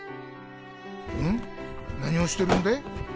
ん？何をしてるんだい？